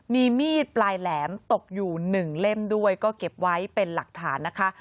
มีมีดปลายแหลมตกอยู่๑เล่มด้วยก็เก็บไว้เป็นหลักฐานนะคะ